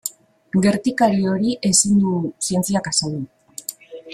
Gertakari hori ezin du zientziak azaldu.